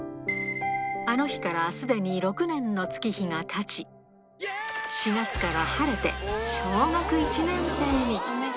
あの日からすでに６年の月日がたち、４月から晴れて小学１年生に。